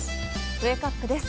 ウェークアップです。